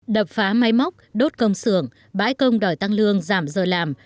đập phá máy móc đốt công xưởng bãi công đòi tăng lương giảm giờ làm